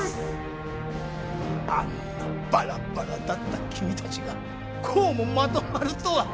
あんなバラバラだった君たちがこうもまとまるとは。